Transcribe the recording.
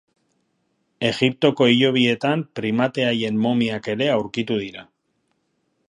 Egiptoko hilobietan primate haien momiak ere aurkitu dira.